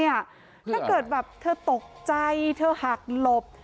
ถ้าเกิดแบบเธอตกใจเธอหักหลบ